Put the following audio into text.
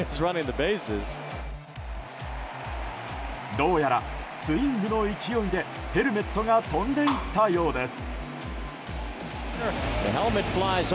どうやらスイングの勢いでヘルメットが飛んでいったようです。